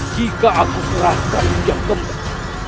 jika aku serahkan hujan kembar